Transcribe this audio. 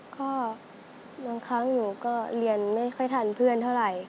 ก็บางครั้งหนูก็เรียนไม่ค่อยทันเพื่อนเท่าไหร่